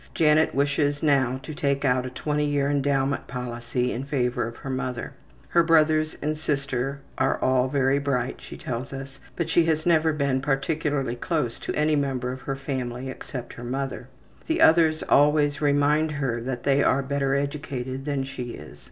Janet wishes now to take out a twenty year endowment policy in favor of her mother. Her brothers and sister are all very bright, she tells us, but she has never been particularly close to any member of her family except her mother. The others always remind her that they are better educated than she is.